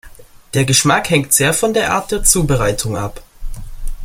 Der Geschmack hängt sehr von der Art der Zubereitung ab.